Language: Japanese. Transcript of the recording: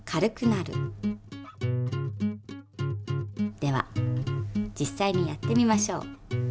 では実さいにやってみましょう。